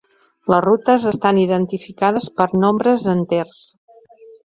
Les rutes estan identificades per nombres enters.